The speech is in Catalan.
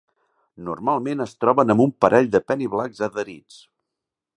Normalment es troben amb un parell de penny blacks adherits.